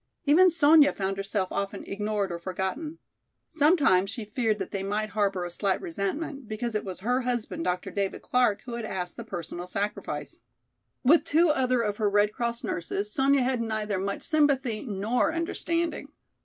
Even Sonya found herself often ignored or forgotten. Sometimes she feared that they might harbor a slight resentment, because it was her husband, Dr. David Clark, who had asked the personal sacrifice. With two other of her Red Cross nurses Sonya had neither much sympathy nor understanding.